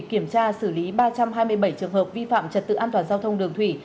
kiểm tra xử lý ba trăm hai mươi bảy trường hợp vi phạm trật tự an toàn giao thông đường thủy